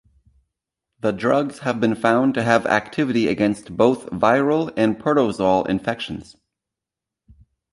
The drugs have been found to have activity against both viral and protozoal infections.